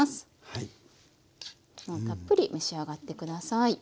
もうたっぷり召し上がって下さい。